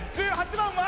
１８番は？